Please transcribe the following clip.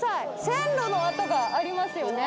線路の跡がありますよね